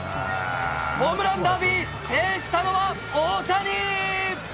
ホームランダービー、制したのは大谷。